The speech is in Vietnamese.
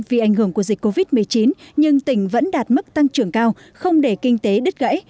vì ảnh hưởng của dịch covid một mươi chín nhưng tỉnh vẫn đạt mức tăng trưởng cao không để kinh tế đứt gãy